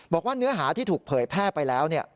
บอกว่าเนื้อหาที่ถูกเผยแพร่ไปแล้ว